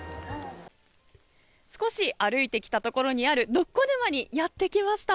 少し歩いてきたところにあるドッコ沼にやってきました。